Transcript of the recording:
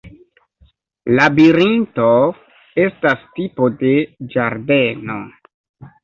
Labirinto estas tipo de ĝardeno.